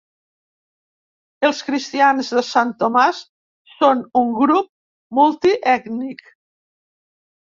Els cristians de Sant Tomàs són un grup multiètnic.